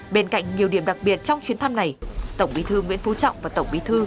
bên cạnh nhiều điểm đặc biệt trong chuyến thăm này tổng bí thư nguyễn phú trọng và tổng bí thư